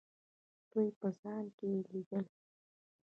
دوی په ځان کې لیدل.